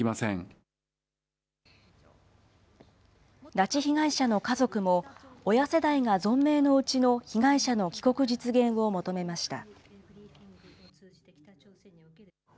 拉致被害者の家族も、親世代が存命のうちの被害者の帰国実現を求めました。